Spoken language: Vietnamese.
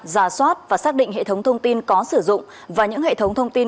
giả soát và xác định hệ thống thông tin có sử dụng và những hệ thống thông tin